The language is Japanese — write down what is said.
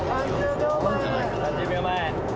３０秒前。